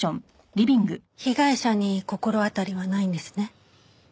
被害者に心当たりはないんですね？